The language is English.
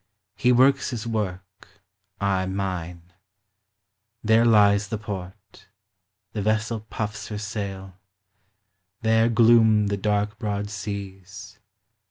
He works his work, I mine. There lies the port : the vessel puffs her til : There gloom the dark broad seas.